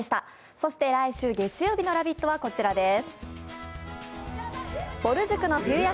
そして来週月曜日の「ラヴィット！」はこちらです。